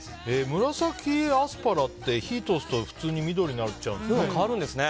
紫アスパラって火を通すと普通に緑になっちゃうんですね。